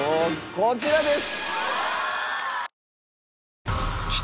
こちらです！